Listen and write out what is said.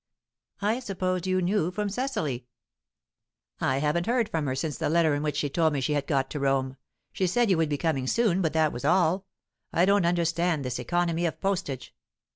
"I supposed you knew from Cecily." "I haven't heard from her since the letter in which she told me she had got to Rome. She said you would be coming soon, but that was all. I don't understand this economy of postage!"